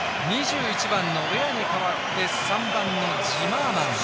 ２１番のウェアに代わって３番のジマーマン。